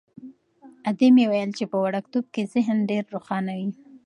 ادې مې ویل چې په وړکتوب کې ذهن ډېر روښانه وي.